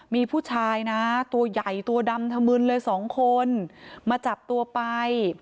มีผู้ชายนะตัวใหญ่ตัวดำธมึนเลยสองคนมาจับตัวไป